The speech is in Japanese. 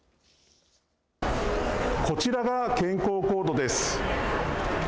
こちらが健康コードです。